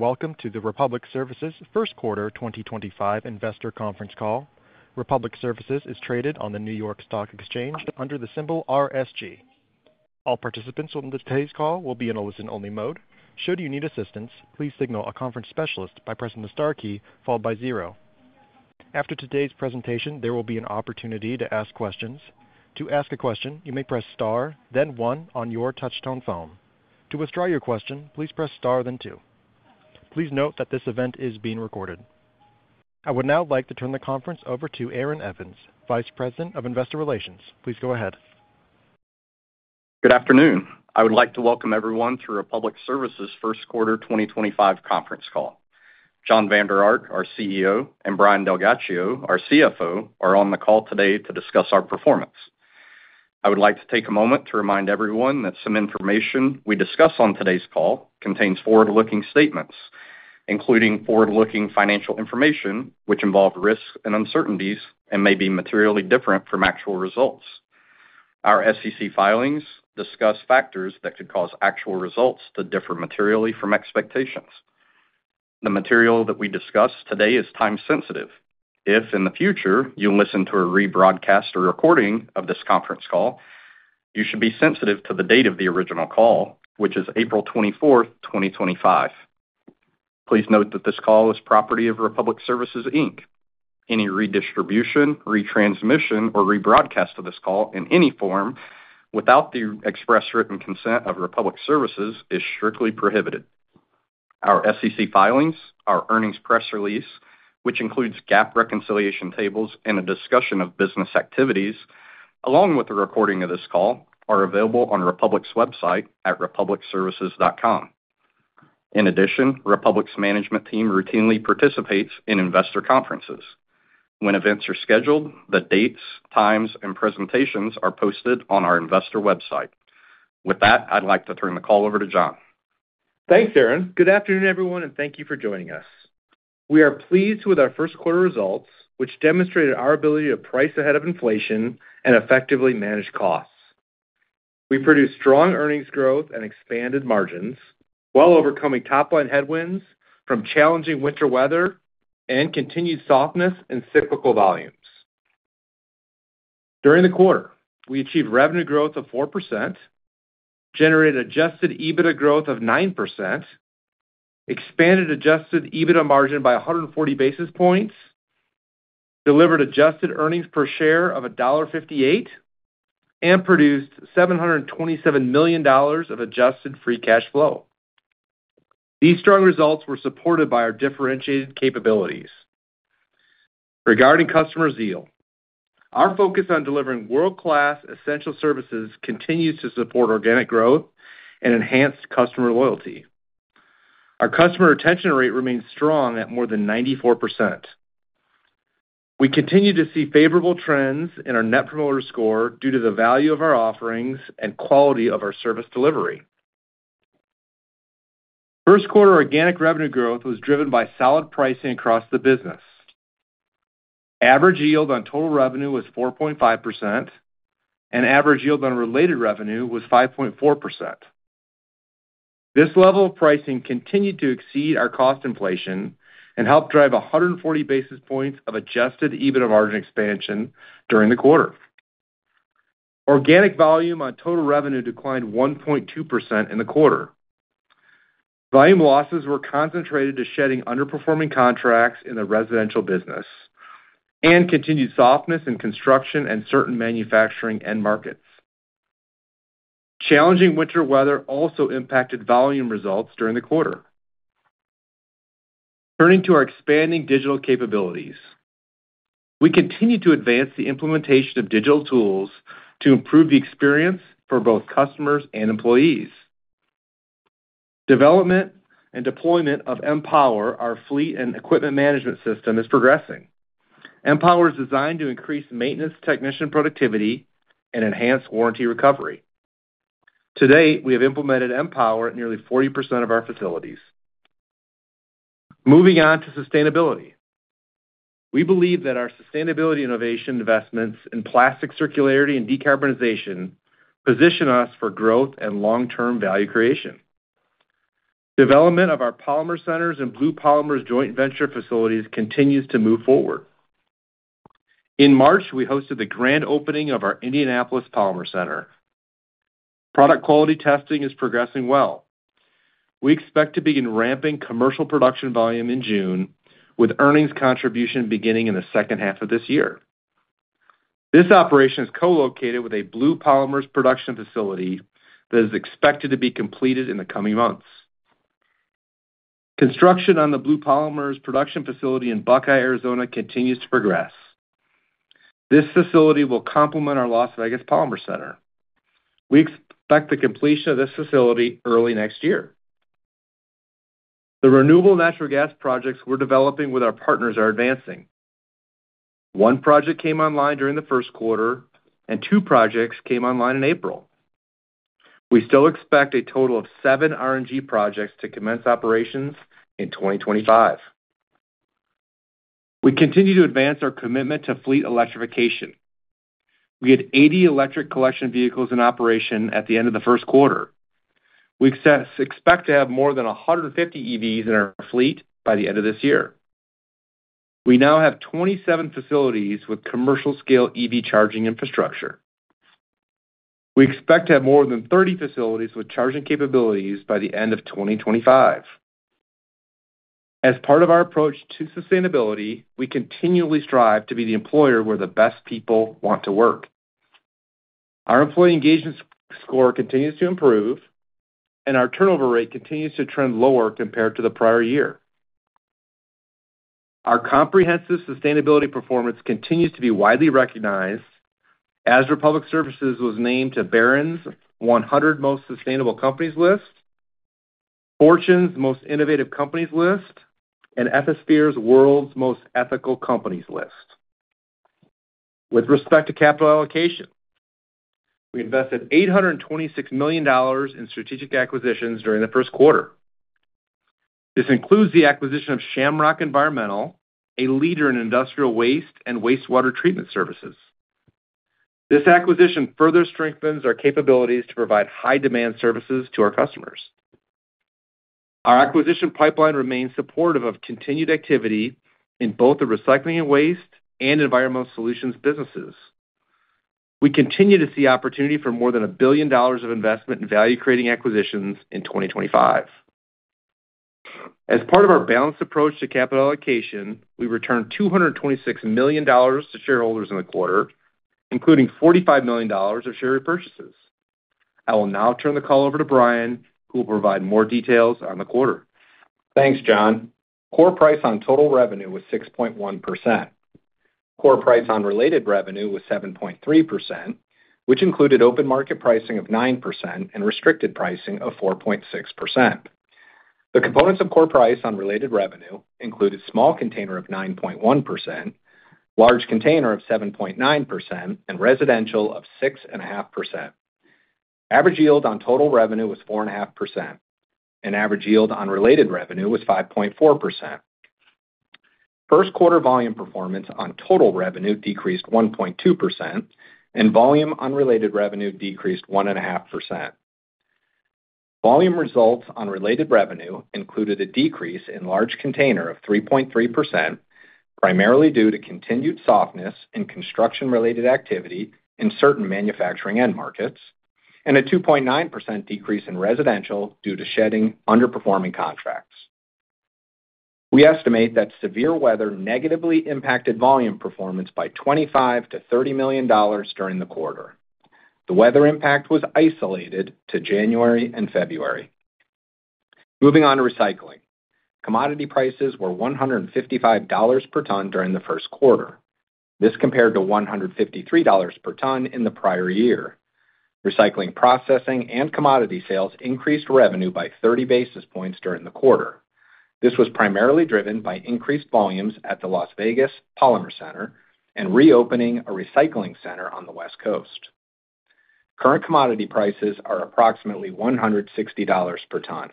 Welcome to the Republic Services First quarter 2025 investor conference call. Republic Services is traded on the New York Stock Exchange under the symbol RSG. All participants on this call will be in a listen-only mode. Should you need assistance, please signal a conference specialist by pressing the star key followed by zero. After today's presentation, there will be an opportunity to ask questions. To ask a question, you may press star, then one on your touch-tone phone. To withdraw your question, please press star, then two. Please note that this event is being recorded. I would now like to turn the conference over to Aaron Evans, Vice President of Investor Relations. Please go ahead. Good afternoon. I would like to welcome everyone to Republic Services first quarter 2025 conference call. Jon Vander Ark, our CEO, and Brian DelGhiaccio, our CFO, are on the call today to discuss our performance. I would like to take a moment to remind everyone that some information we discuss on today's call contains forward-looking statements, including forward-looking financial information which involves risks and uncertainties and may be materially different from actual results. Our SEC filings discuss factors that could cause actual results to differ materially from expectations. The material that we discuss today is time-sensitive. If in the future you listen to a rebroadcast or recording of this conference call, you should be sensitive to the date of the original call, which is April 24, 2025. Please note that this call is property of Republic Services. Any redistribution, retransmission, or rebroadcast of this call in any form without the express written consent of Republic Services is strictly prohibited. Our SEC filings, our earnings press release, which includes GAAP reconciliation tables and a discussion of business activities, along with the recording of this call, are available on Republic's website at republicservices.com. In addition, Republic's management team routinely participates in investor conferences. When events are scheduled, the dates, times, and presentations are posted on our investor website. With that, I'd like to turn the call over to Jon. Thanks, Aaron. Good afternoon, everyone, and thank you for joining us. We are pleased with our first quarter results, which demonstrated our ability to price ahead of inflation and effectively manage costs. We produced strong earnings growth and expanded margins while overcoming top-line headwinds from challenging winter weather and continued softness in cyclical volumes. During the quarter, we achieved revenue growth of 4%, generated adjusted EBITDA growth of 9%, expanded adjusted EBITDA margin by 140 basis points, delivered adjusted earnings per share of $1.58, and produced $727 million of adjusted free cash flow. These strong results were supported by our differentiated capabilities. Regarding customer zeal, our focus on delivering world-class essential services continues to support organic growth and enhanced customer loyalty. Our customer retention rate remains strong at more than 94%. We continue to see favorable trends in our Net Promoter Score due to the value of our offerings and quality of our service delivery. First quarter organic revenue growth was driven by solid pricing across the business. Average yield on total revenue was 4.5%, and average yield on related revenue was 5.4%. This level of pricing continued to exceed our cost inflation and helped drive 140 basis points of adjusted EBITDA margin expansion during the quarter. Organic volume on total revenue declined 1.2% in the quarter. Volume losses were concentrated to shedding underperforming contracts in the residential business and continued softness in construction and certain manufacturing end markets. Challenging winter weather also impacted volume results during the quarter. Turning to our expanding digital capabilities, we continue to advance the implementation of digital tools to improve the experience for both customers and employees. Development and deployment of MPower, our fleet and equipment management system, is progressing. MPower is designed to increase maintenance technician productivity and enhance warranty recovery. Today, we have implemented MPower at nearly 40% of our facilities. Moving on to sustainability, we believe that our sustainability innovation investments in plastic circularity and decarbonization position us for growth and long-term value creation. Development of our Polymer Centers and Blue Polymers joint venture facilities continues to move forward. In March, we hosted the grand opening of our Indianapolis Polymer Center. Product quality testing is progressing well. We expect to begin ramping commercial production volume in June, with earnings contribution beginning in the second half of this year. This operation is co-located with a Blue Polymers production facility that is expected to be completed in the coming months. Construction on the Blue Polymers production facility in Buckeye, Arizona, continues to progress. This facility will complement our Las Vegas Polymer Center. We expect the completion of this facility early next year. The renewable natural gas projects we're developing with our partners are advancing. One project came online during the first quarter, and two projects came online in April. We still expect a total of seven RNG projects to commence operations in 2025. We continue to advance our commitment to fleet electrification. We had 80 electric collection vehicles in operation at the end of the first quarter. We expect to have more than 150 EVs in our fleet by the end of this year. We now have 27 facilities with commercial-scale EV charging infrastructure. We expect to have more than 30 facilities with charging capabilities by the end of 2025. As part of our approach to sustainability, we continually strive to be the employer where the best people want to work. Our employee engagement score continues to improve, and our turnover rate continues to trend lower compared to the prior year. Our comprehensive sustainability performance continues to be widely recognized, as Republic Services was named to Barron's 100 Most Sustainable Companies list, Fortune's Most Innovative Companies list, and Ethisphere's World's Most Ethical Companies list. With respect to capital allocation, we invested $826 million in strategic acquisitions during the first quarter. This includes the acquisition of Shamrock Environmental, a leader in industrial waste and wastewater treatment services. This acquisition further strengthens our capabilities to provide high-demand services to our customers. Our acquisition pipeline remains supportive of continued activity in both the recycling and waste and Environmental Solutions businesses. We continue to see opportunity for more than $1 billion of investment in value-creating acquisitions in 2025. As part of our balanced approach to capital allocation, we returned $226 million to shareholders in the quarter, including $45 million of share repurchases. I will now turn the call over to Brian, who will provide more details on the quarter. Thanks, Jon. Core price on total revenue was 6.1%. Core price on related revenue was 7.3%, which included open market pricing of 9% and restricted pricing of 4.6%. The components of core price on related revenue included small container of 9.1%, large container of 7.9%, and residential of 6.5%. Average yield on total revenue was 4.5%, and average yield on related revenue was 5.4%. First quarter volume performance on total revenue decreased 1.2%, and volume on related revenue decreased 1.5%. Volume results on related revenue included a decrease in large container of 3.3%, primarily due to continued softness in construction-related activity in certain manufacturing end markets, and a 2.9% decrease in residential due to shedding underperforming contracts. We estimate that severe weather negatively impacted volume performance by $25 million-$30 million during the quarter. The weather impact was isolated to January and February. Moving on to recycling, commodity prices were $155 per ton during the first quarter. This compared to $153 per ton in the prior year. Recycling processing and commodity sales increased revenue by 30 basis points during the quarter. This was primarily driven by increased volumes at the Las Vegas Polymer Center and reopening a recycling center on the West Coast. Current commodity prices are approximately $160 per ton.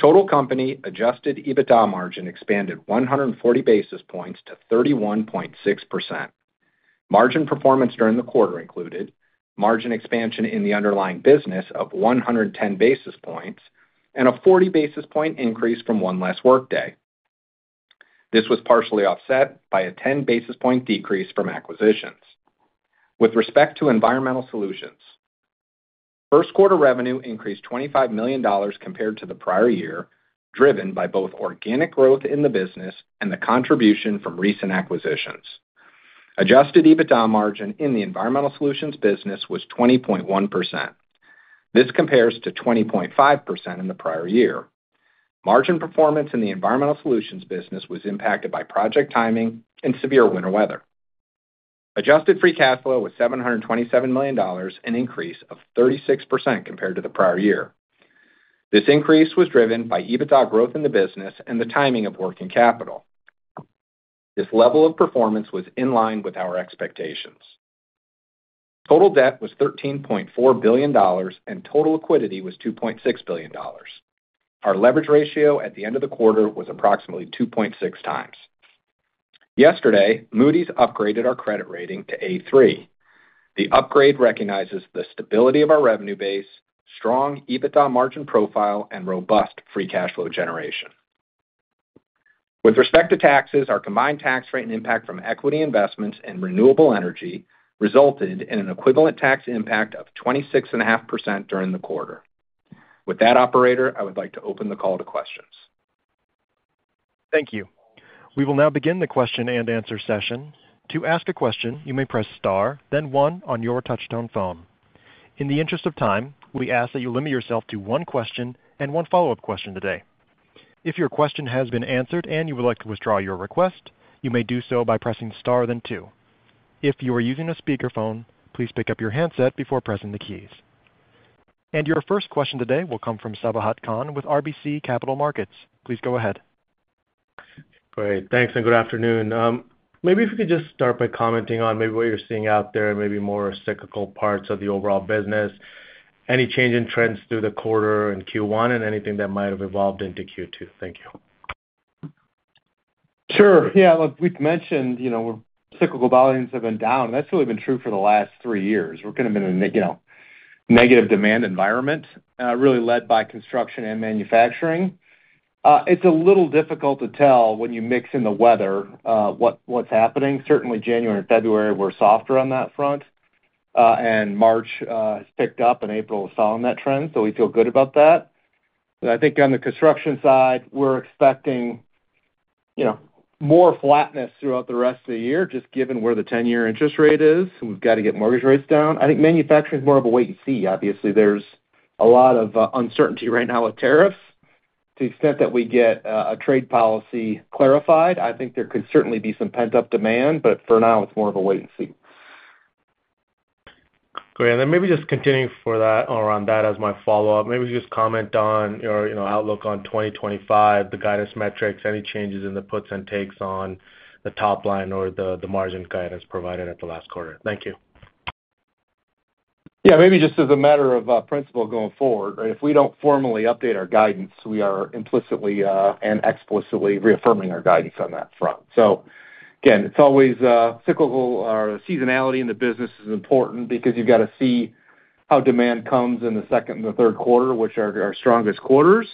Total company adjusted EBITDA margin expanded 140 basis points to 31.6%. Margin performance during the quarter included margin expansion in the underlying business of 110 basis points and a 40 basis point increase from one less workday. This was partially offset by a 10 basis point decrease from acquisitions. With respect to environmental solutions, first quarter revenue increased $25 million compared to the prior year, driven by both organic growth in the business and the contribution from recent acquisitions. Adjusted EBITDA margin in the environmental solutions business was 20.1%. This compares to 20.5% in the prior year. Margin performance in the environmental solutions business was impacted by project timing and severe winter weather. Adjusted free cash flow was $727 million, an increase of 36% compared to the prior year. This increase was driven by EBITDA growth in the business and the timing of working capital. This level of performance was in line with our expectations. Total debt was $13.4 billion, and total liquidity was $2.6 billion. Our leverage ratio at the end of the quarter was approximately 2.6 times. Yesterday, Moody's upgraded our credit rating to A3. The upgrade recognizes the stability of our revenue base, strong EBITDA margin profile, and robust free cash flow generation. With respect to taxes, our combined tax rate and impact from equity investments and renewable energy resulted in an equivalent tax impact of 26.5% during the quarter. With that, operator, I would like to open the call to questions. Thank you. We will now begin the question and answer session. To ask a question, you may press star, then one on your touch-tone phone. In the interest of time, we ask that you limit yourself to one question and one follow-up question today. If your question has been answered and you would like to withdraw your request, you may do so by pressing star, then two. If you are using a speakerphone, please pick up your handset before pressing the keys. Your first question today will come from Sabahat Khan with RBC Capital Markets. Please go ahead. Great. Thanks, and good afternoon. Maybe if we could just start by commenting on maybe what you're seeing out there, maybe more cyclical parts of the overall business, any change in trends through the quarter and Q1, and anything that might have evolved into Q2. Thank you. Sure. Yeah. Like we've mentioned, cyclical volumes have been down. That's really been true for the last three years. We're kind of in a negative demand environment, really led by construction and manufacturing. It's a little difficult to tell when you mix in the weather what's happening. Certainly, January and February were softer on that front, and March has picked up, and April is following that trend, so we feel good about that. I think on the construction side, we're expecting more flatness throughout the rest of the year, just given where the 10-year interest rate is. We've got to get mortgage rates down. I think manufacturing is more of a wait and see. Obviously, there's a lot of uncertainty right now with tariffs to the extent that we get a trade policy clarified. I think there could certainly be some pent-up demand, but for now, it's more of a wait and see. Great. Maybe just continuing around that as my follow-up, maybe just comment on your outlook on 2025, the guidance metrics, any changes in the puts and takes on the top line or the margin guidance provided at the last quarter. Thank you. Yeah. Maybe just as a matter of principle going forward, right? If we do not formally update our guidance, we are implicitly and explicitly reaffirming our guidance on that front. It is always cyclical. Our seasonality in the business is important because you have got to see how demand comes in the second and the third quarter, which are our strongest quarters.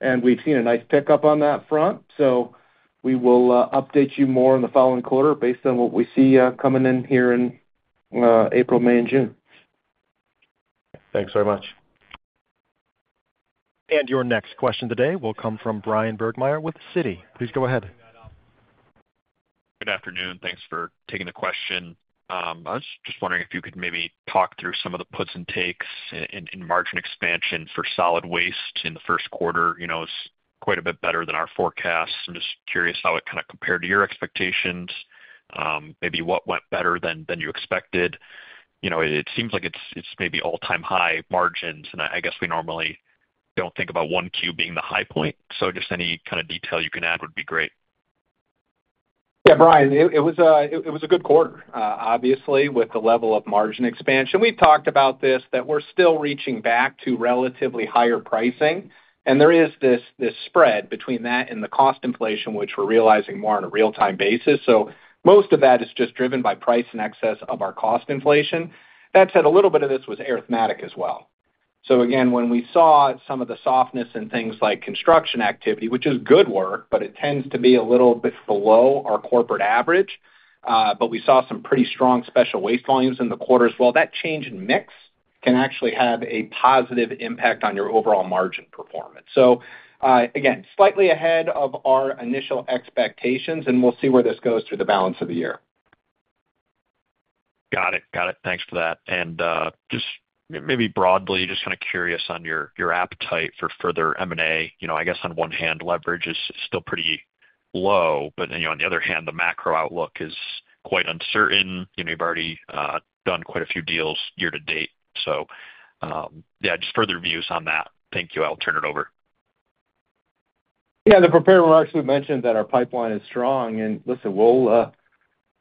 We have seen a nice pickup on that front. We will update you more in the following quarter based on what we see coming in here in April, May, and June. Thanks very much. Your next question today will come from Bryan Burgmeier with Citi. Please go ahead. Good afternoon. Thanks for taking the question. I was just wondering if you could maybe talk through some of the puts and takes in margin expansion for solid waste in the first quarter. It's quite a bit better than our forecast. I'm just curious how it kind of compared to your expectations, maybe what went better than you expected. It seems like it's maybe all-time high margins, and I guess we normally don't think about one Q being the high point. Just any kind of detail you can add would be great. Yeah, Brian, it was a good quarter, obviously, with the level of margin expansion. We've talked about this, that we're still reaching back to relatively higher pricing, and there is this spread between that and the cost inflation, which we're realizing more on a real-time basis. Most of that is just driven by price in excess of our cost inflation. That said, a little bit of this was arithmetic as well. Again, when we saw some of the softness in things like construction activity, which is good work, but it tends to be a little bit below our corporate average, we saw some pretty strong special waste volumes in the quarter as well. That change in mix can actually have a positive impact on your overall margin performance. Again, slightly ahead of our initial expectations, and we'll see where this goes through the balance of the year. Got it. Got it. Thanks for that. Just maybe broadly, just kind of curious on your appetite for further M&A. I guess on one hand, leverage is still pretty low, but on the other hand, the macro outlook is quite uncertain. You've already done quite a few deals year to date. Just further views on that. Thank you. I'll turn it over. Yeah. The prepared remarks, we've mentioned that our pipeline is strong. Listen,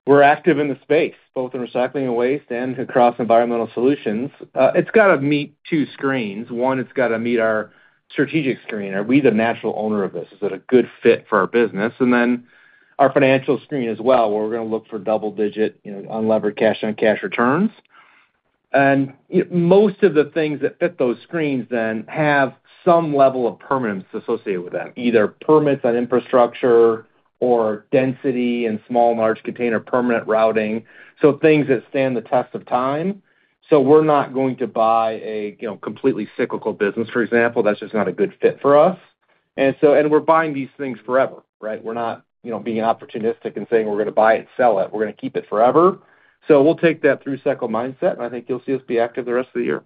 we're active in the space, both in recycling and waste and across environmental solutions. It's got to meet two screens. One, it's got to meet our strategic screen. Are we the natural owner of this? Is it a good fit for our business? Then our financial screen as well, where we're going to look for double-digit, unlevered cash-on-cash returns. Most of the things that fit those screens then have some level of permanence associated with them, either permits on infrastructure or density and small and large container permanent routing, things that stand the test of time. We're not going to buy a completely cyclical business. For example, that's just not a good fit for us. We're buying these things forever, right? We're not being opportunistic and saying we're going to buy it and sell it. We're going to keep it forever. We'll take that through cycle mindset, and I think you'll see us be active the rest of the year.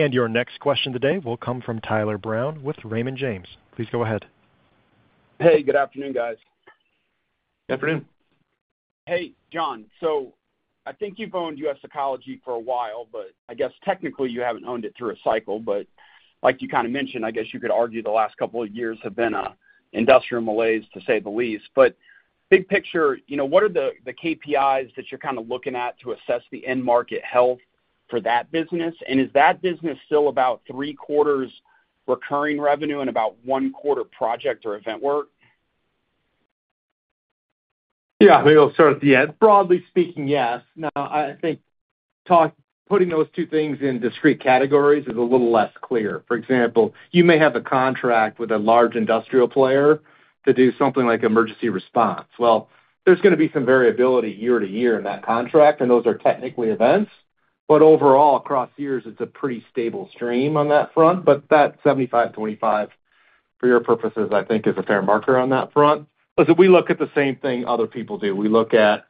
Your next question today will come from Tyler Brown with Raymond James. Please go ahead. Hey, good afternoon, guys. Good afternoon. Hey, Jon. I think you've owned US Ecology for a while, but I guess technically you haven't owned it through a cycle. Like you kind of mentioned, I guess you could argue the last couple of years have been an industrial malaise, to say the least. Big picture, what are the KPIs that you're kind of looking at to assess the end market health for that business? Is that business still about three-quarters recurring revenue and about one-quarter project or event work? Yeah. Maybe I'll start at the end. Broadly speaking, yes. Now, I think putting those two things in discrete categories is a little less clear. For example, you may have a contract with a large industrial player to do something like emergency response. There's going to be some variability year to year in that contract, and those are technically events. Overall, across years, it's a pretty stable stream on that front. That 75/25, for your purposes, I think, is a fair marker on that front. Listen, we look at the same thing other people do. We look at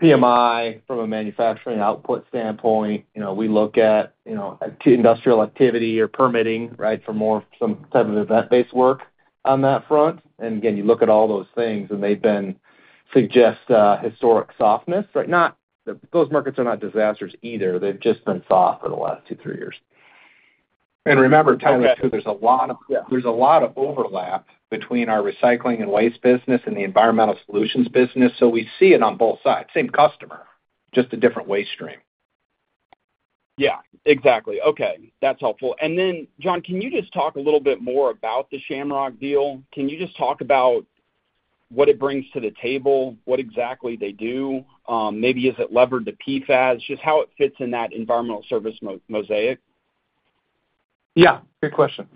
PMI from a manufacturing output standpoint. We look at industrial activity or permitting, right, for more some type of event-based work on that front. Again, you look at all those things, and they've been suggesting historic softness, right? Those markets are not disasters either. They've just been soft for the last two, three years. Remember, Tyler, too, there's a lot of overlap between our recycling and waste business and the environmental solutions business. We see it on both sides. Same customer, just a different waste stream. Yeah. Exactly. Okay. That's helpful. Jon, can you just talk a little bit more about the Shamrock deal? Can you just talk about what it brings to the table, what exactly they do? Maybe is it levered to PFAS? Just how it fits in that environmental service mosaic? Yeah. Good question.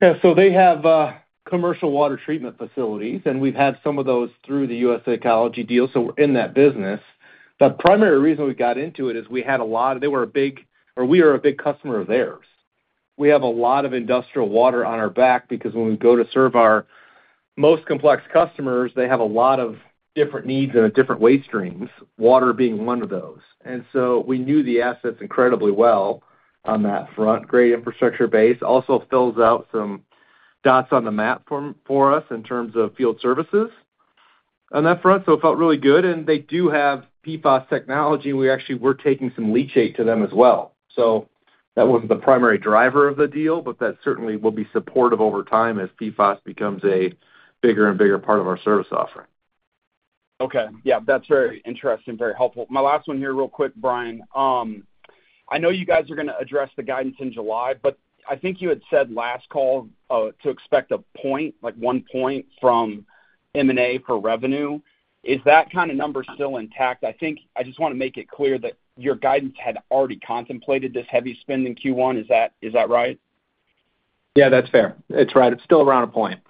Yeah. They have commercial water treatment facilities, and we've had some of those through the US Ecology deal. We're in that business. The primary reason we got into it is we had a lot of—they were a big, or we are a big customer of theirs. We have a lot of industrial water on our back because when we go to serve our most complex customers, they have a lot of different needs and different waste streams, water being one of those. We knew the assets incredibly well on that front. Great infrastructure base. It also fills out some dots on the map for us in terms of field services on that front. It felt really good. They do have PFAS technology. We actually were taking some leachate to them as well. That wasn't the primary driver of the deal, but that certainly will be supportive over time as PFAS becomes a bigger and bigger part of our service offering. Okay. Yeah. That's very interesting and very helpful. My last one here, real quick, Brian. I know you guys are going to address the guidance in July, but I think you had said last call to expect a point, like one point from M&A for revenue. Is that kind of number still intact? I think I just want to make it clear that your guidance had already contemplated this heavy spend in Q1. Is that right? Yeah. That's fair. It's right. It's still around a point.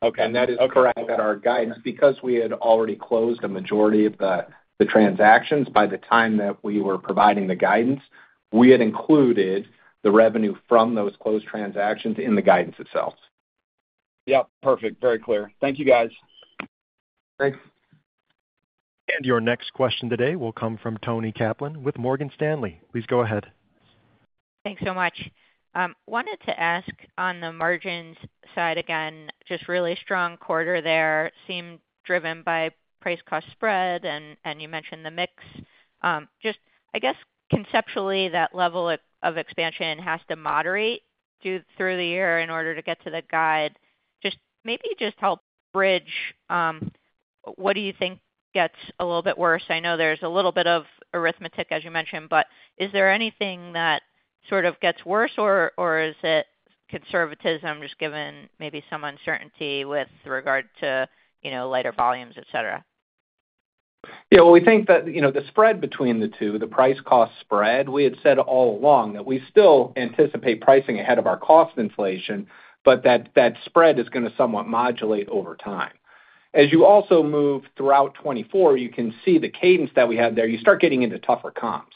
That is correct that our guidance, because we had already closed a majority of the transactions by the time that we were providing the guidance, we had included the revenue from those closed transactions in the guidance itself. Yep. Perfect. Very clear. Thank you, guys. Thanks. Your next question today will come from Toni Kaplan with Morgan Stanley. Please go ahead. Thanks so much. Wanted to ask on the margins side again, just really strong quarter there, seemed driven by price-cost spread, and you mentioned the mix. Just, I guess, conceptually, that level of expansion has to moderate through the year in order to get to the guide. Just maybe just help bridge, what do you think gets a little bit worse? I know there's a little bit of arithmetic, as you mentioned, but is there anything that sort of gets worse, or is it conservatism just given maybe some uncertainty with regard to lighter volumes, etc.? Yeah. We think that the spread between the two, the price-cost spread, we had said all along that we still anticipate pricing ahead of our cost inflation, but that spread is going to somewhat modulate over time. As you also move throughout 2024, you can see the cadence that we had there. You start getting into tougher comps.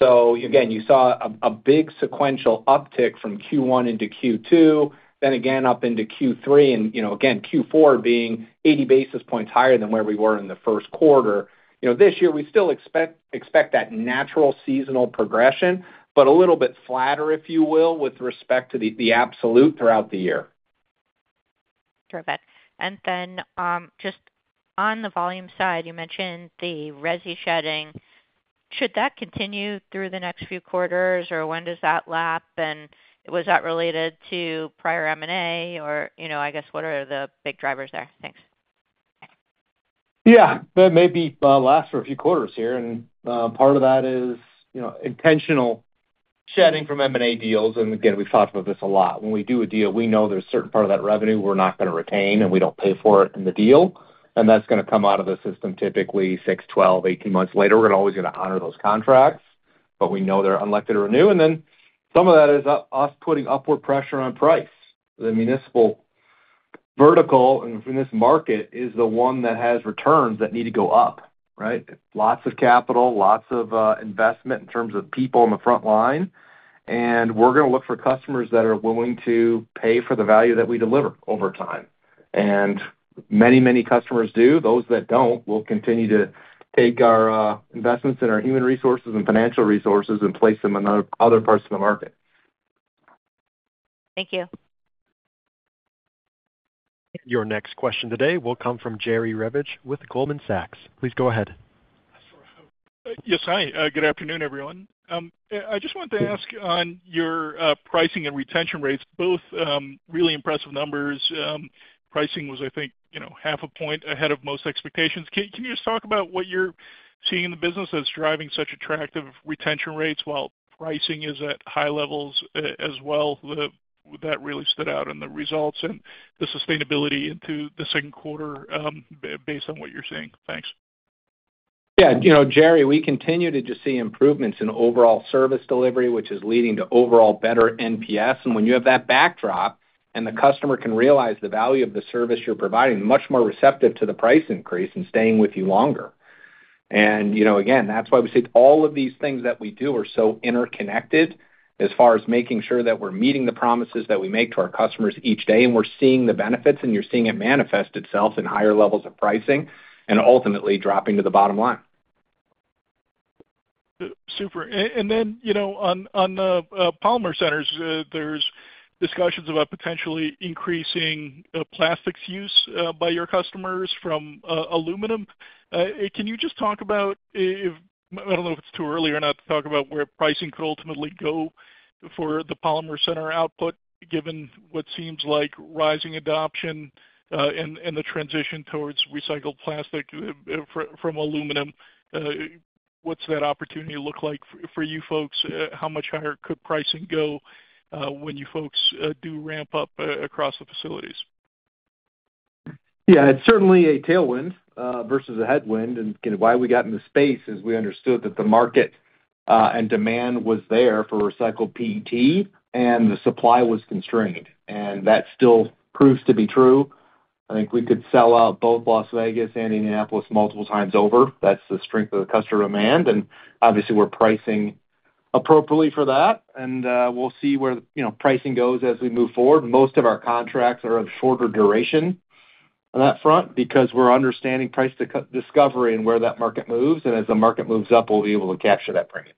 Again, you saw a big sequential uptick from Q1 into Q2, then again up into Q3, and again, Q4 being 80 basis points higher than where we were in the first quarter. This year, we still expect that natural seasonal progression, but a little bit flatter, if you will, with respect to the absolute throughout the year. Terrific. Just on the volume side, you mentioned the resi shedding. Should that continue through the next few quarters, or when does that lap? Was that related to prior M&A, or I guess what are the big drivers there? Thanks. Yeah. That maybe lasts for a few quarters here. Part of that is intentional shedding from M&A deals. Again, we've talked about this a lot. When we do a deal, we know there's a certain part of that revenue we're not going to retain, and we don't pay for it in the deal. That's going to come out of the system typically 6, 12, 18 months later. We're not always going to honor those contracts, but we know they're unlikely to renew. Some of that is us putting upward pressure on price. The municipal vertical in this market is the one that has returns that need to go up, right? Lots of capital, lots of investment in terms of people on the front line. We're going to look for customers that are willing to pay for the value that we deliver over time. Many, many customers do. Those that do not will continue to take our investments in our human resources and financial resources and place them in other parts of the market. Thank you. Your next question today will come from Jerry Revich with Goldman Sachs. Please go ahead. Yes, hi. Good afternoon, everyone. I just wanted to ask on your pricing and retention rates, both really impressive numbers. Pricing was, I think, half a point ahead of most expectations. Can you just talk about what you're seeing in the business that's driving such attractive retention rates while pricing is at high levels as well? That really stood out in the results and the sustainability into the second quarter based on what you're seeing. Thanks. Yeah. Jerry, we continue to just see improvements in overall service delivery, which is leading to overall better NPS. When you have that backdrop and the customer can realize the value of the service you're providing, they're much more receptive to the price increase and staying with you longer. That is why we say all of these things that we do are so interconnected as far as making sure that we're meeting the promises that we make to our customers each day. We're seeing the benefits, and you're seeing it manifest itself in higher levels of pricing and ultimately dropping to the bottom line. Super. On the polymer centers, there's discussions about potentially increasing plastics use by your customers from aluminum. Can you just talk about—I don't know if it's too early or not to talk about where pricing could ultimately go for the polymer center output, given what seems like rising adoption and the transition towards recycled plastic from aluminum? What's that opportunity look like for you folks? How much higher could pricing go when you folks do ramp up across the facilities? Yeah. It's certainly a tailwind versus a headwind. Why we got in the space is we understood that the market and demand was there for recycled PET, and the supply was constrained. That still proves to be true. I think we could sell out both Las Vegas and Indianapolis multiple times over. That's the strength of the customer demand. Obviously, we're pricing appropriately for that. We'll see where pricing goes as we move forward. Most of our contracts are of shorter duration on that front because we're understanding price discovery and where that market moves. As the market moves up, we'll be able to capture that premium.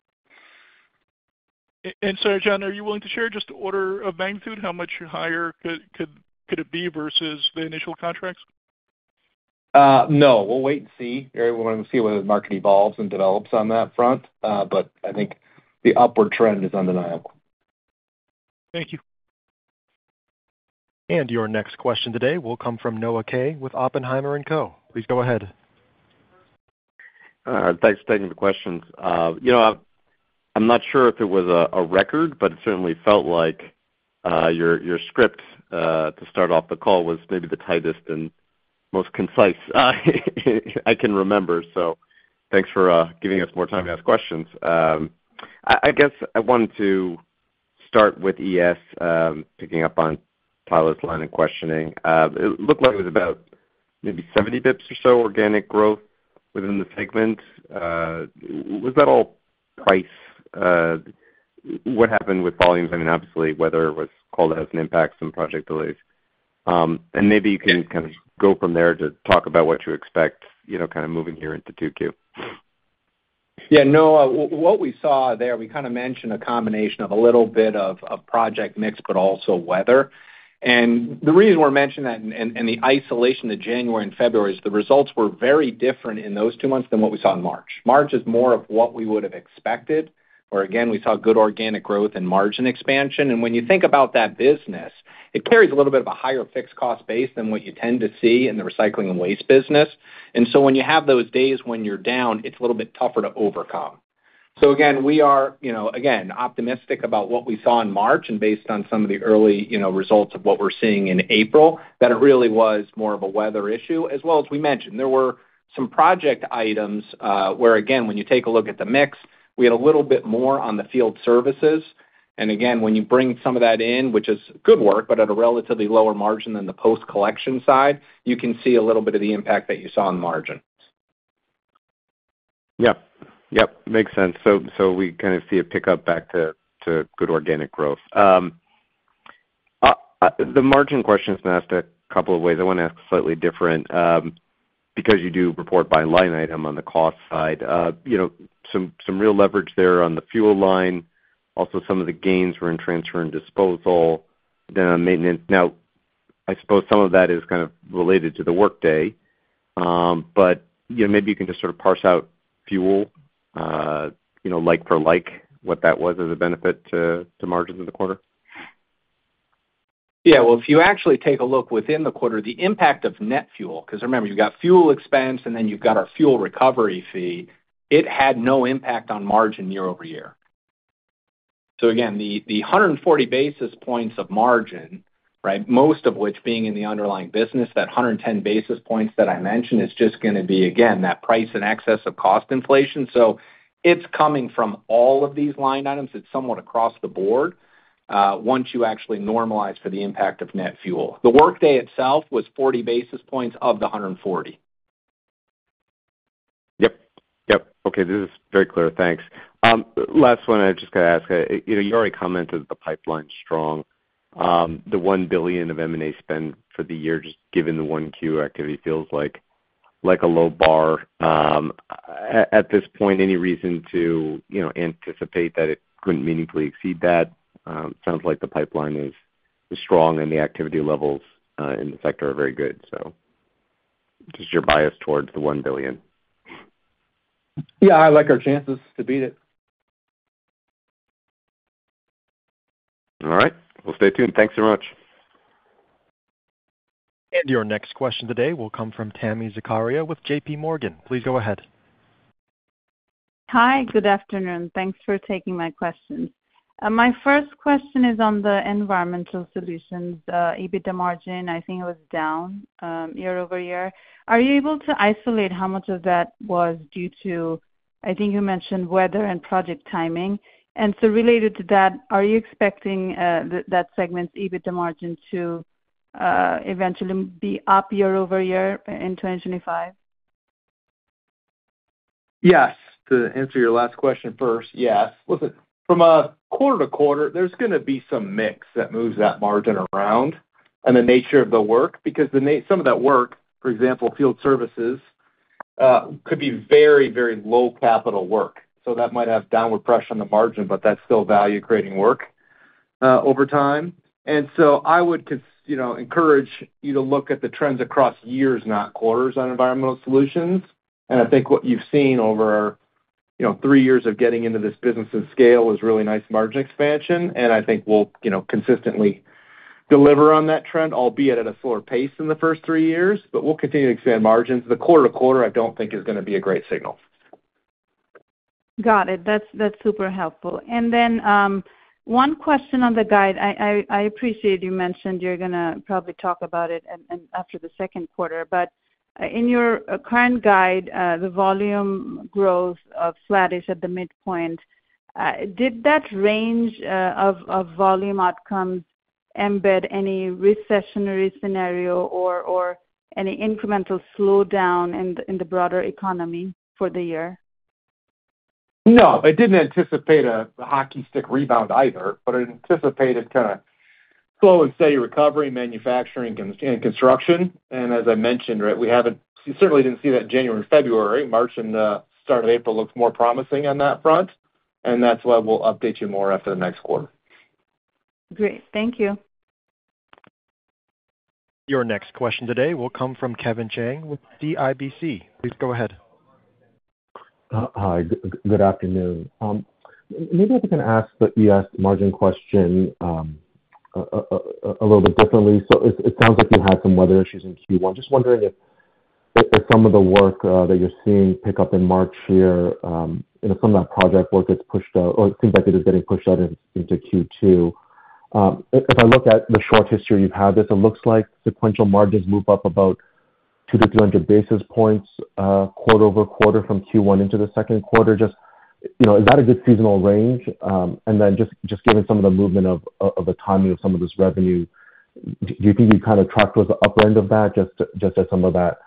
Jon, are you willing to share just the order of magnitude? How much higher could it be versus the initial contracts? No. We will wait and see. We want to see where the market evolves and develops on that front. I think the upward trend is undeniable. Thank you. Your next question today will come from Noah Kay with Oppenheimer & Co. Please go ahead. Thanks for taking the questions. I'm not sure if it was a record, but it certainly felt like your script to start off the call was maybe the tightest and most concise I can remember. Thanks for giving us more time to ask questions. I guess I wanted to start with ES, picking up on Tyler's line and questioning. It looked like it was about maybe 70 basis points or so organic growth within the segment. Was that all price? What happened with volumes? I mean, obviously, weather was called out as an impact, some project delays. Maybe you can kind of go from there to talk about what you expect kind of moving here into 2Q. Yeah. No. What we saw there, we kind of mentioned a combination of a little bit of project mix, but also weather. The reason we're mentioning that and the isolation to January and February is the results were very different in those two months than what we saw in March. March is more of what we would have expected, where again, we saw good organic growth and margin expansion. When you think about that business, it carries a little bit of a higher fixed cost base than what you tend to see in the recycling and waste business. When you have those days when you're down, it's a little bit tougher to overcome. We are again optimistic about what we saw in March and based on some of the early results of what we're seeing in April, that it really was more of a weather issue. As well as we mentioned, there were some project items where, again, when you take a look at the mix, we had a little bit more on the field services. And again, when you bring some of that in, which is good work, but at a relatively lower margin than the post-collection side, you can see a little bit of the impact that you saw in the margin. Yep. Yep. Makes sense. We kind of see a pickup back to good organic growth. The margin question's been asked a couple of ways. I want to ask slightly different because you do report by line item on the cost side. Some real leverage there on the fuel line, also some of the gains were in transfer and disposal, then on maintenance. I suppose some of that is kind of related to the workday, but maybe you can just sort of parse out fuel like for like what that was as a benefit to margins in the quarter. Yeah. If you actually take a look within the quarter, the impact of net fuel, because remember, you've got fuel expense, and then you've got our fuel recovery fee, it had no impact on margin year over year. Again, the 140 basis points of margin, right, most of which being in the underlying business, that 110 basis points that I mentioned is just going to be, again, that price in excess of cost inflation. It's coming from all of these line items. It's somewhat across the board once you actually normalize for the impact of net fuel. The workday itself was 40 basis points of the 140. Yep. Yep. Okay. This is very clear. Thanks. Last one, I just got to ask. You already commented that the pipeline's strong. The $1 billion of M&A spend for the year, just given the 1Q activity, feels like a low bar. At this point, any reason to anticipate that it couldn't meaningfully exceed that? It sounds like the pipeline is strong and the activity levels in the sector are very good. Just your bias towards the $1 billion. Yeah. I like our chances to beat it. All right. Stay tuned. Thanks very much. Your next question today will come from Tami Zakaria with JP Morgan. Please go ahead. Hi. Good afternoon. Thanks for taking my questions. My first question is on the environmental solutions. EBITDA margin, I think it was down year over year. Are you able to isolate how much of that was due to, I think you mentioned, weather and project timing? Related to that, are you expecting that segment's EBITDA margin to eventually be up year over year in 2025? Yes. To answer your last question first, yes. Listen, from quarter to quarter, there's going to be some mix that moves that margin around and the nature of the work because some of that work, for example, field services, could be very, very low capital work. That might have downward pressure on the margin, but that's still value-creating work over time. I would encourage you to look at the trends across years, not quarters, on environmental solutions. I think what you've seen over three years of getting into this business and scale is really nice margin expansion. I think we'll consistently deliver on that trend, albeit at a slower pace in the first three years, but we'll continue to expand margins. The quarter to quarter, I don't think, is going to be a great signal. Got it. That's super helpful. One question on the guide. I appreciate you mentioned you're going to probably talk about it after the second quarter. In your current guide, the volume growth of slattish at the midpoint, did that range of volume outcomes embed any recessionary scenario or any incremental slowdown in the broader economy for the year? No. I did not anticipate a hockey stick rebound either, but I anticipated kind of slow and steady recovery in manufacturing and construction. As I mentioned, right, we certainly did not see that in January and February. March and start of April looked more promising on that front. That is why we will update you more after the next quarter. Great. Thank you. Your next question today will come from Kevin Chiang with CIBC. Please go ahead. Hi. Good afternoon. Maybe I can ask the ES margin question a little bit differently. It sounds like you had some weather issues in Q1. Just wondering if some of the work that you're seeing pick up in March here, some of that project work that's pushed out, or it seems like it is getting pushed out into Q2. If I look at the short history you've had, this looks like sequential margins move up about 200-300 basis points quarter over quarter from Q1 into the second quarter. Is that a good seasonal range? Just given some of the movement of the timing of some of this revenue, do you think you kind of track towards the upper end of that just as some of that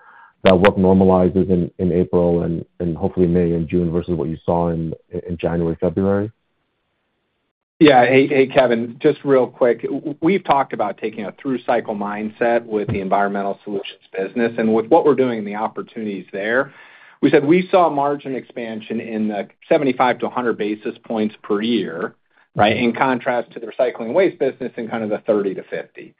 work normalizes in April and hopefully May and June versus what you saw in January and February? Yeah. Hey, Kevin, just real quick. We've talked about taking a through-cycle mindset with the environmental solutions business. With what we're doing and the opportunities there, we said we saw margin expansion in the 75-100 basis points per year, right, in contrast to the recycling and waste business in kind of the 30-50.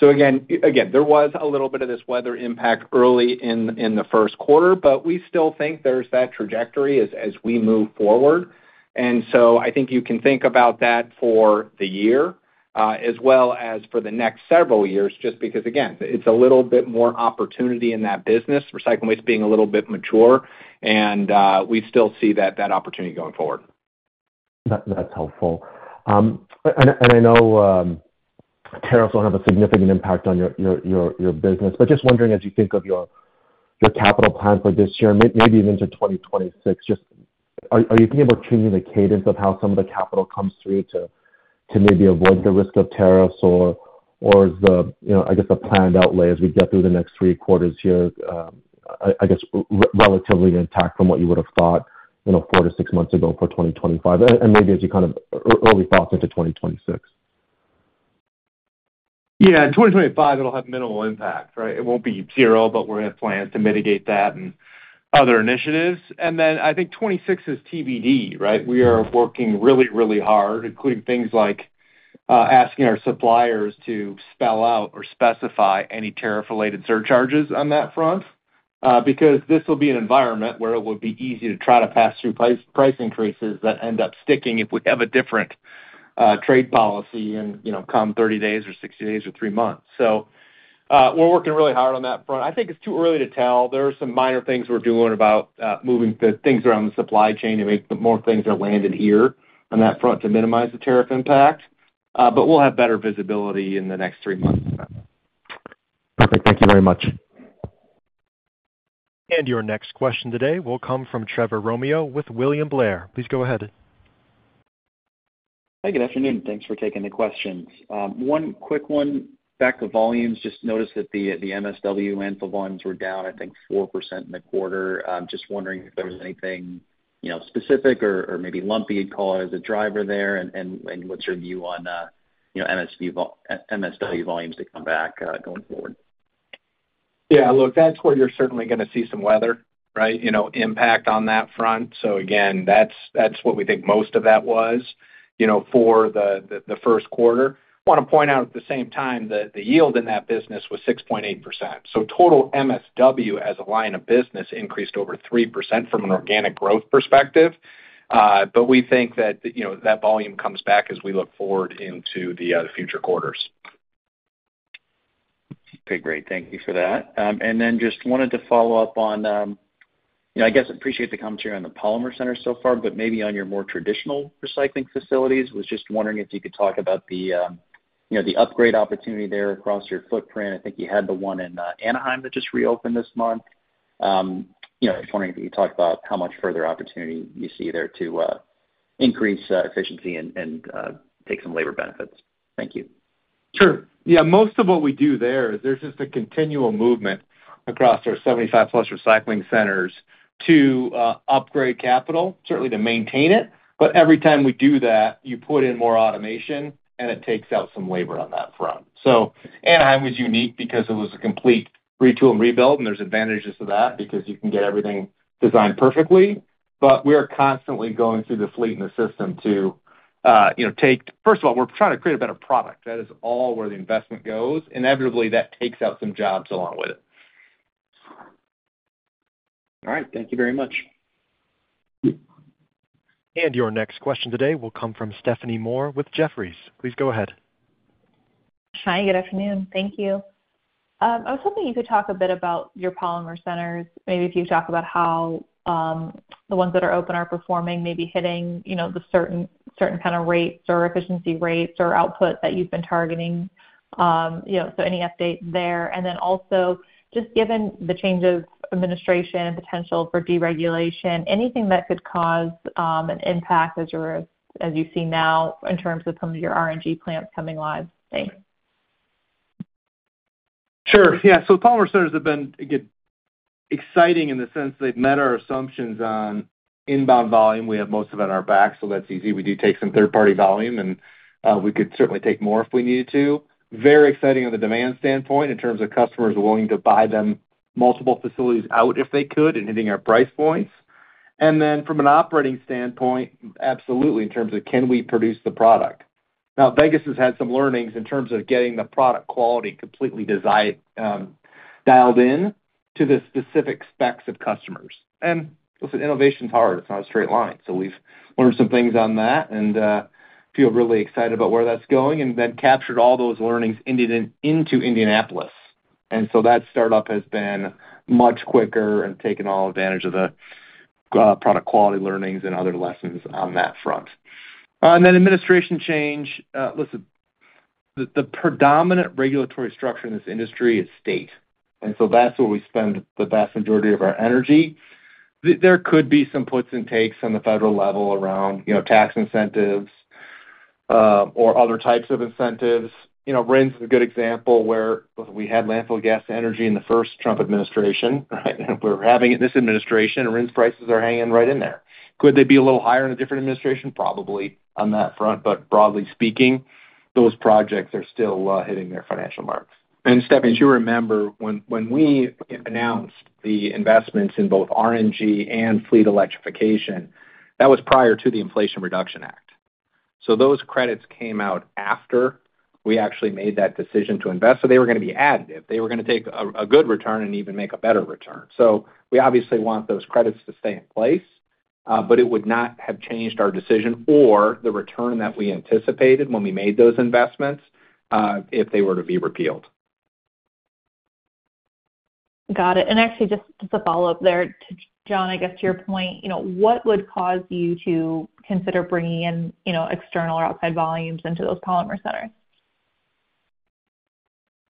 There was a little bit of this weather impact early in the first quarter, but we still think there's that trajectory as we move forward. I think you can think about that for the year as well as for the next several years just because, again, it's a little bit more opportunity in that business, recycling and waste being a little bit mature. We still see that opportunity going forward. That's helpful. I know tariffs will have a significant impact on your business, but just wondering as you think of your capital plan for this year, maybe even to 2026, are you thinking about changing the cadence of how some of the capital comes through to maybe avoid the risk of tariffs, or is the planned outlay as we get through the next three quarters here relatively intact from what you would have thought four to six months ago for 2025, and maybe as you kind of early thoughts into 2026? Yeah. In 2025, it'll have minimal impact, right? It won't be zero, but we're going to have plans to mitigate that and other initiatives. I think 2026 is TBD, right? We are working really, really hard, including things like asking our suppliers to spell out or specify any tariff-related surcharges on that front because this will be an environment where it would be easy to try to pass through price increases that end up sticking if we have a different trade policy and come 30 days or 60 days or three months. We're working really hard on that front. I think it's too early to tell. There are some minor things we're doing about moving things around the supply chain to make more things that land in here on that front to minimize the tariff impact. We'll have better visibility in the next three months. Perfect. Thank you very much. Your next question today will come from Trevor Romeo with William Blair. Please go ahead. Hi. Good afternoon. Thanks for taking the questions. One quick one back to volumes. Just noticed that the MSW and the volumes were down, I think, 4% in the quarter. Just wondering if there was anything specific or maybe lumpy, you'd call it, as a driver there. What's your view on MSW volumes to come back going forward? Yeah. Look, that's where you're certainly going to see some weather, right, impact on that front. Again, that's what we think most of that was for the first quarter. I want to point out at the same time that the yield in that business was 6.8%. Total MSW as a line of business increased over 3% from an organic growth perspective. We think that that volume comes back as we look forward into the future quarters. Okay. Great. Thank you for that. I just wanted to follow up on, I guess, appreciate the comments here on the polymer center so far, but maybe on your more traditional recycling facilities. I was just wondering if you could talk about the upgrade opportunity there across your footprint. I think you had the one in Anaheim that just reopened this month. Just wondering if you could talk about how much further opportunity you see there to increase efficiency and take some labor benefits. Thank you. Sure. Yeah. Most of what we do there, there's just a continual movement across our 75-plus recycling centers to upgrade capital, certainly to maintain it. Every time we do that, you put in more automation, and it takes out some labor on that front. Anaheim was unique because it was a complete retool and rebuild, and there's advantages to that because you can get everything designed perfectly. We are constantly going through the fleet and the system to take first of all, we're trying to create a better product. That is all where the investment goes. Inevitably, that takes out some jobs along with it. All right. Thank you very much. Your next question today will come from Stephanie Moore with Jefferies. Please go ahead. Hi. Good afternoon. Thank you. I was hoping you could talk a bit about your Polymer Centers, maybe if you talk about how the ones that are open are performing, maybe hitting the certain kind of rates or efficiency rates or output that you've been targeting. Any updates there? Also, just given the change of administration and potential for deregulation, anything that could cause an impact as you see now in terms of some of your RNG plants coming live? Thanks. Sure. Yeah. Polymer Centers have been exciting in the sense they've met our assumptions on inbound volume. We have most of it on our back, so that's easy. We do take some third-party volume, and we could certainly take more if we needed to. Very exciting on the demand standpoint in terms of customers willing to buy them multiple facilities out if they could and hitting our price points. From an operating standpoint, absolutely in terms of can we produce the product? Vegas has had some learnings in terms of getting the product quality completely dialed in to the specific specs of customers. Listen, innovation's hard. It's not a straight line. We've learned some things on that and feel really excited about where that's going and then captured all those learnings into Indianapolis. That startup has been much quicker and taken all advantage of the product quality learnings and other lessons on that front. Administration change. Listen, the predominant regulatory structure in this industry is state. That is where we spend the vast majority of our energy. There could be some puts and takes on the federal level around tax incentives or other types of incentives. RINs is a good example where we had landfill gas energy in the first Trump administration, right? We are having it in this administration, and RINs prices are hanging right in there. Could they be a little higher in a different administration? Probably on that front. Broadly speaking, those projects are still hitting their financial marks. Stephanie, if you remember, when we announced the investments in both RNG and fleet electrification, that was prior to the Inflation Reduction Act. Those credits came out after we actually made that decision to invest. They were going to be additive. They were going to take a good return and even make a better return. We obviously want those credits to stay in place, but it would not have changed our decision or the return that we anticipated when we made those investments if they were to be repealed. Got it. Actually, just a follow-up there, Jon, I guess to your point, what would cause you to consider bringing in external or outside volumes into those Polymer Centers?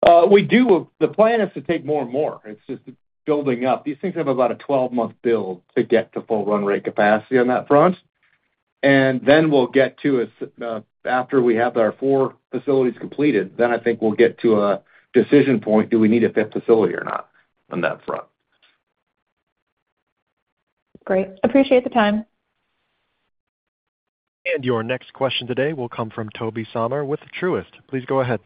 The plan is to take more and more. It's just building up. These things have about a 12-month build to get to full run rate capacity on that front. We'll get to, after we have our four facilities completed, then I think we'll get to a decision point, do we need a fifth facility or not on that front? Great. Appreciate the time. Your next question today will come from Tobey Sommer with Truist. Please go ahead.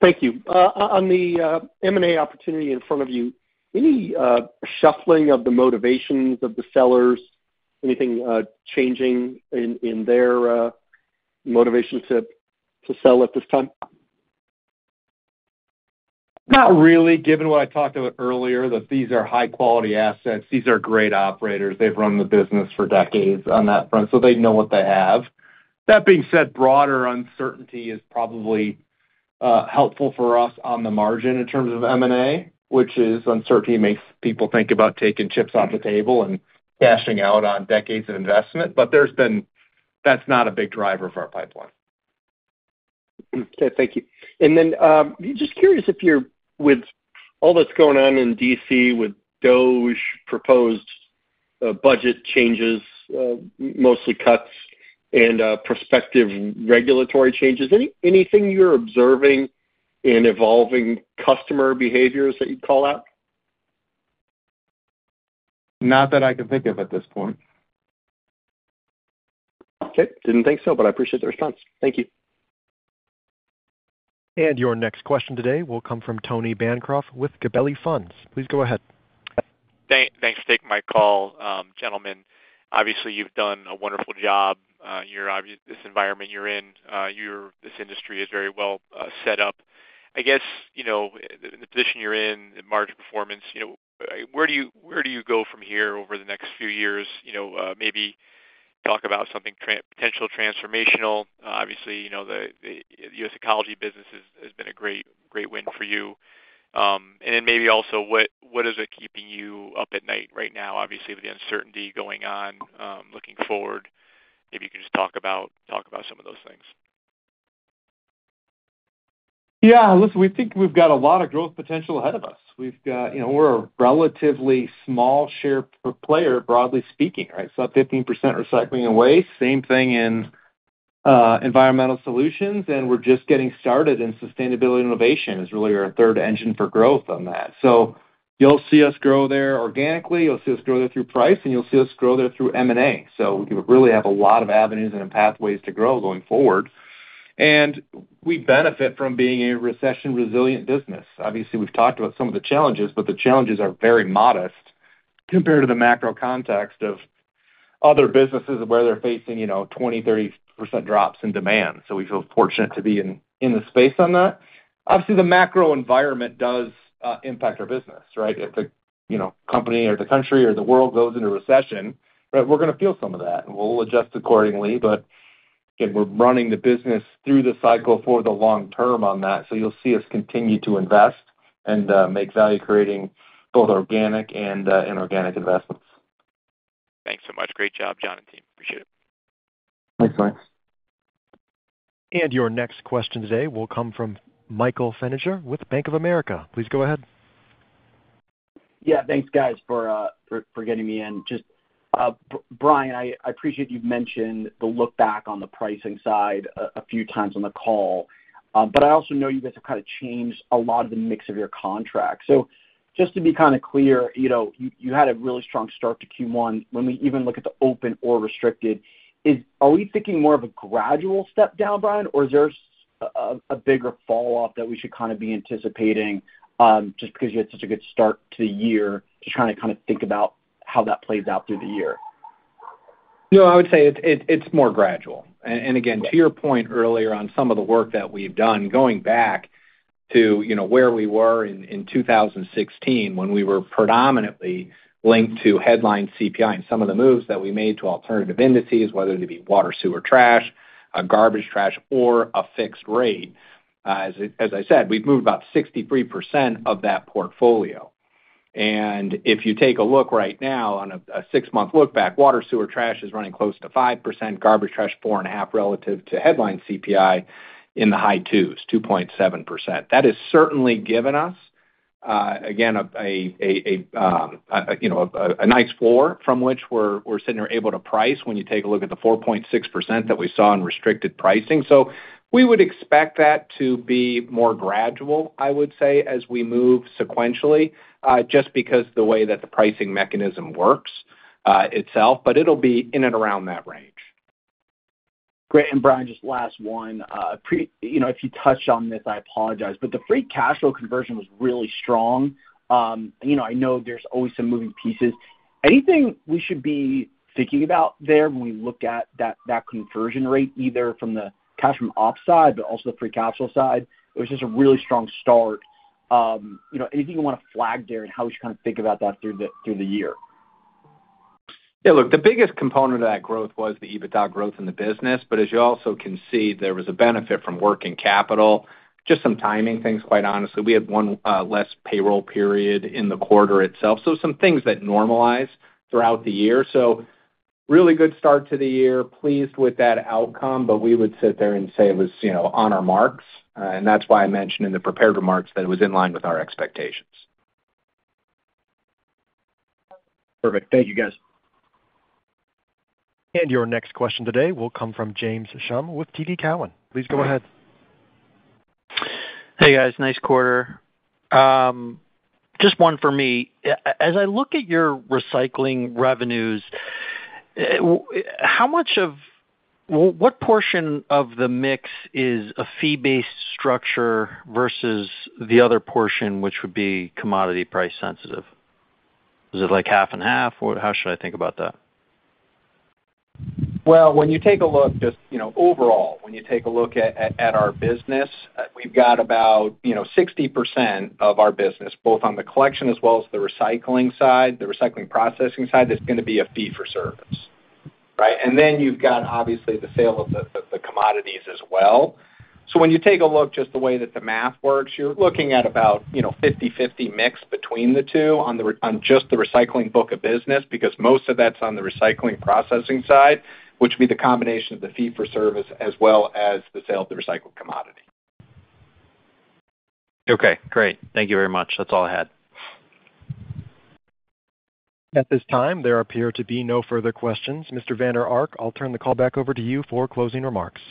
Thank you. On the M&A opportunity in front of you, any shuffling of the motivations of the sellers, anything changing in their motivation to sell at this time? Not really. Given what I talked about earlier, these are high-quality assets. These are great operators. They've run the business for decades on that front, so they know what they have. That being said, broader uncertainty is probably helpful for us on the margin in terms of M&A, which is uncertainty makes people think about taking chips off the table and cashing out on decades of investment. That's not a big driver of our pipeline. Okay. Thank you. Just curious if you're, with all that's going on in DC with DOGE, proposed budget changes, mostly cuts, and prospective regulatory changes, anything you're observing in evolving customer behaviors that you'd call out? Not that I can think of at this point. Okay. Did not think so, but I appreciate the response. Thank you. Your next question today will come from Tony Bancroft with Gabelli Funds. Please go ahead. Thanks for taking my call, gentlemen. Obviously, you've done a wonderful job. This environment you're in, this industry is very well set up. I guess in the position you're in, margin performance, where do you go from here over the next few years? Maybe talk about something potential transformational. Obviously, the US Ecology business has been a great win for you. And then maybe also, what is it keeping you up at night right now, obviously, with the uncertainty going on? Looking forward, maybe you can just talk about some of those things. Yeah. Listen, we think we've got a lot of growth potential ahead of us. We're a relatively small share player, broadly speaking, right? It's about 15% recycling and waste. Same thing in environmental solutions. And we're just getting started in sustainability and innovation is really our third engine for growth on that. You'll see us grow there organically. You'll see us grow there through price, and you'll see us grow there through M&A. We really have a lot of avenues and pathways to grow going forward. We benefit from being a recession-resilient business. Obviously, we've talked about some of the challenges, but the challenges are very modest compared to the macro context of other businesses where they're facing 20%-30% drops in demand. We feel fortunate to be in the space on that. Obviously, the macro environment does impact our business, right? If a company or the country or the world goes into recession, we're going to feel some of that, and we'll adjust accordingly. Again, we're running the business through the cycle for the long term on that. You'll see us continue to invest and make value creating both organic and inorganic investments. Thanks so much. Great job, Jon and team. Appreciate it. Thanks, Tony. Your next question today will come from Michael Feniger with Bank of America. Please go ahead. Yeah. Thanks, guys, for getting me in. Just Brian, I appreciate you've mentioned the look-back on the pricing side a few times on the call. I also know you guys have kind of changed a lot of the mix of your contracts. Just to be kind of clear, you had a really strong start to Q1. When we even look at the open or restricted, are we thinking more of a gradual step down, Brian, or is there a bigger falloff that we should kind of be anticipating just because you had such a good start to the year? Just trying to kind of think about how that plays out through the year. No, I would say it's more gradual. Again, to your point earlier on some of the work that we've done, going back to where we were in 2016 when we were predominantly linked to headline CPI and some of the moves that we made to alternative indices, whether it be Water, Sewer, Trash, Garbage, Trash, or a fixed rate. As I said, we've moved about 63% of that portfolio. If you take a look right now on a six-month look-back, Water, Sewer, Trash is running close to 5%, Garbage, Trash 4.5% relative to headline CPI in the high twos, 2.7%. That has certainly given us, again, a nice floor from which we're sitting here able to price when you take a look at the 4.6% that we saw in restricted pricing. We would expect that to be more gradual, I would say, as we move sequentially, just because of the way that the pricing mechanism works itself. It will be in and around that range. Great. Brian, just last one. If you touch on this, I apologize, but the free cash flow conversion was really strong. I know there's always some moving pieces. Anything we should be thinking about there when we look at that conversion rate, either from the cash from upside, but also the free cash flow side, it was just a really strong start. Anything you want to flag there and how we should kind of think about that through the year? Yeah. Look, the biggest component of that growth was the EBITDA growth in the business. As you also can see, there was a benefit from working capital. Just some timing things, quite honestly. We had one less payroll period in the quarter itself. Some things normalize throughout the year. Really good start to the year. Pleased with that outcome, but we would sit there and say it was on our marks. That is why I mentioned in the prepared remarks that it was in line with our expectations. Perfect. Thank you, guys. Your next question today will come from James Schumm with TD Cowen. Please go ahead. Hey, guys. Nice quarter. Just one for me. As I look at your recycling revenues, how much of what portion of the mix is a fee-based structure versus the other portion, which would be commodity price sensitive? Is it like half and half? How should I think about that? When you take a look just overall, when you take a look at our business, we've got about 60% of our business, both on the collection as well as the recycling side, the recycling processing side, that's going to be a fee for service, right? And then you've got, obviously, the sale of the commodities as well. When you take a look just the way that the math works, you're looking at about 50/50 mix between the two on just the recycling book of business because most of that's on the recycling processing side, which would be the combination of the fee for service as well as the sale of the recycled commodity. Okay. Great. Thank you very much. That's all I had. At this time, there appear to be no further questions. Mr. Vander Ark, I'll turn the call back over to you for closing remarks.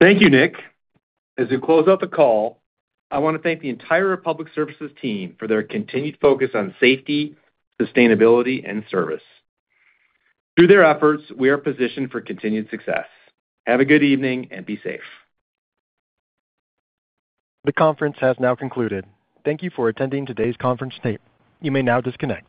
Thank you, Nick. As we close out the call, I want to thank the entire Republic Services team for their continued focus on safety, sustainability, and service. Through their efforts, we are positioned for continued success. Have a good evening and be safe. The conference has now concluded. Thank you for attending today's conference. You may now disconnect.